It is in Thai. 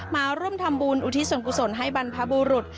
มาร่วมทำบุญอุทิศส่วนกุศลให้บรรพบุรุษ